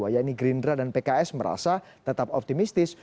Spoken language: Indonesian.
yaitu gerindra dan pks merasa tetap optimistis